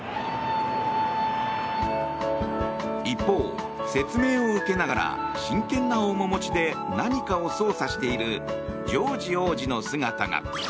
一方、説明を受けながら真剣な面持ちで何かを操作しているジョージ王子の姿が。